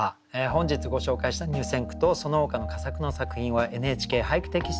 本日ご紹介した入選句とそのほかの佳作の作品は「ＮＨＫ俳句」テキストに掲載されます。